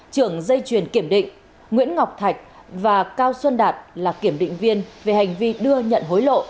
trưởng dây truyền kiểm định nguyễn ngọc thạch và cao xuân đạt là kiểm định viên về hành vi đưa nhận hối lộ